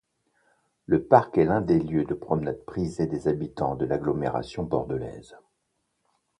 Le parc est l'un des lieux de promenade prisés des habitants de l'agglomération bordelaise.